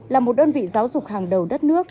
là một đơn vị giáo dục hàng đầu đất nước